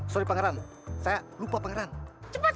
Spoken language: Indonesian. suarangi lu kesana